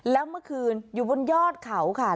แล้วเมื่อคืนอยู่บนยอดเขาค่ะ